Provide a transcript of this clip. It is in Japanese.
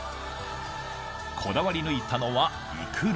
こだわり抜いたのはいくら。